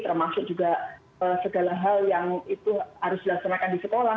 termasuk juga segala hal yang itu harus dilaksanakan di sekolah